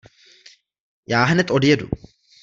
Já hned odjedu.